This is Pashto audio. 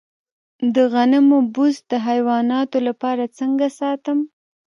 د غنمو بوس د حیواناتو لپاره څنګه ساتم؟